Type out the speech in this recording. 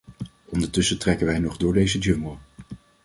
Ondertussen trekken wij nog door deze jungle.